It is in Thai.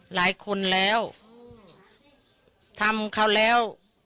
หลายคนแล้วทำเขาแล้ว